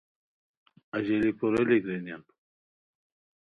اژیلی کوریلیک رینیان